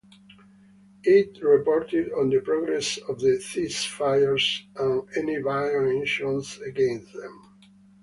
It reported on the progress of the ceasefires and any violations against them.